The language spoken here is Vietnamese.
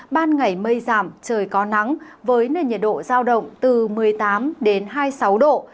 ban ngày mây giảm trời có nắng với nền nhiệt độ giao động từ một mươi tám hai mươi sáu độ